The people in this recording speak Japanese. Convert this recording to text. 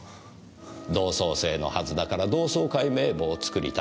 同窓生のはずだから同窓会名簿を作りたい。